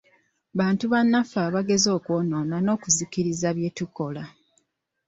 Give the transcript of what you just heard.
Bantu bannaffe abageza okwonoona n'okuziyiza bye tukola.